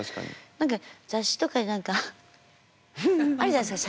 何か雑誌とかで何かあるじゃないですか写真。